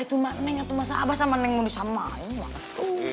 itu mah neng itu mah sama abah sama neng mundi sama ini mah tuh